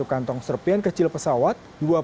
sepuluh kantong serpian kecil pesawat